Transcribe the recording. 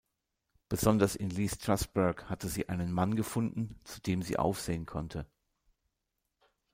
Besonders in Lee Strasberg hatte sie einen Mann gefunden, zu dem sie aufsehen konnte.